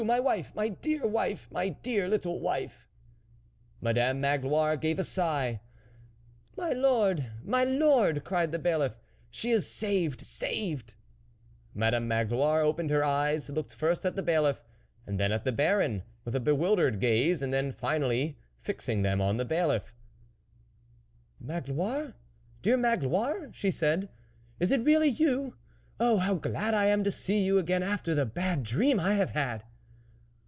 my wife ! my dear wife ! my dear little wife !" Madame Magloire gave a sigh. " My lord ! my lord !" cried the bailiff, " she is saved ! saved !" Madame Magloire opened her eyes, looked first at the Bailiff and then at the Baron, with a bewildered gaze, and then finally fixing them on the Bailiff: " Magloire ! dear Magloire !" she said, " is it really you ? Oh ! how glad I am to see you again after the bad dream I have had